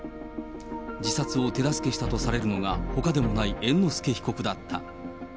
自殺を手助けしたとされるのが、ほかでもない猿之助被告だった。